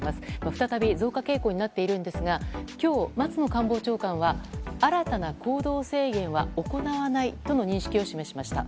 再び増加傾向になっているんですが今日、松野官房長官は新たな行動制限は行わないとの認識を示しました。